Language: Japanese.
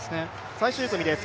最終組です。